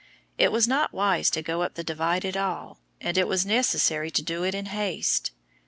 It was not wise to go up the Divide at all, and it was necessary to do it in haste.